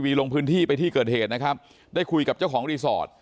ลงพื้นที่ไปที่เกิดเหตุนะครับได้คุยกับเจ้าของรีสอร์ท